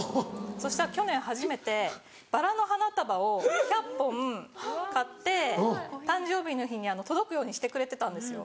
そしたら去年初めてバラの花束を１００本買って誕生日の日に届くようにしてくれてたんですよ。